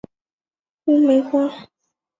鸟媒花的花期也与蜂鸟的生殖季同期。